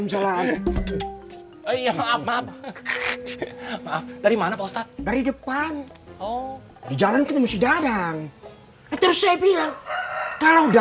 maaf maaf maaf dari mana postat dari depan di jalan ketemu si dadang terus saya bilang kalau